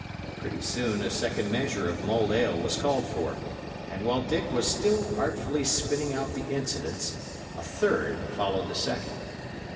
Pretty soon a second measure of mulled ale was called for; and while Dick was still artfully spinning out the incidents a third followed the second.